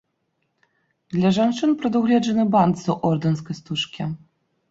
Для жанчын прадугледжаны бант з ордэнскай стужкі.